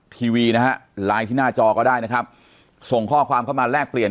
ทีวีนะฮะไลน์ที่หน้าจอก็ได้นะครับส่งข้อความเข้ามาแลกเปลี่ยน